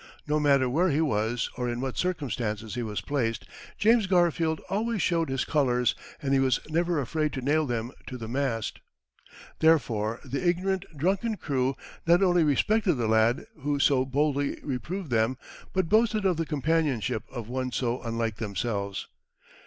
No matter where he was, or in what circumstances he was placed, James Garfield always showed his colours, and he was never afraid to nail them to the mast. Therefore the ignorant, drunken crew not only respected the lad who so boldly reproved them, but boasted of the companionship of one so unlike themselves.